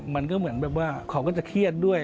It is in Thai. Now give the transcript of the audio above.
มันก็เหมือนแบบว่าเขาก็จะเครียดด้วย